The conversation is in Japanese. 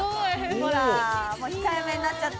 ほらもう控えめになっちゃって。